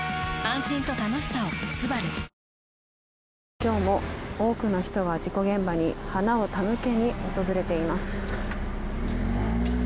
今日も多くの人が事故現場に花を手向けに訪れています。